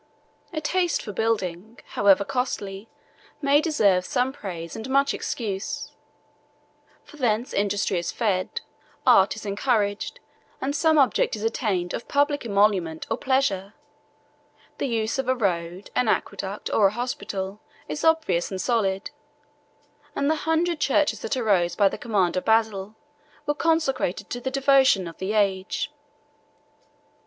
A taste for building, however costly, may deserve some praise and much excuse: from thence industry is fed, art is encouraged, and some object is attained of public emolument or pleasure: the use of a road, an aqueduct, or a hospital, is obvious and solid; and the hundred churches that arose by the command of Basil were consecrated to the devotion of the age.